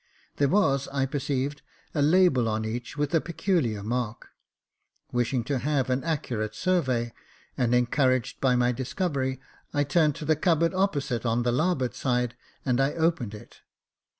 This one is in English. There was, I perceived, a label on each, with a peculiar mark. Wishing to have an accurate survey, and encouraged by my discovery, I turned to the cupboard opposite, on the larboard side, and I opened it.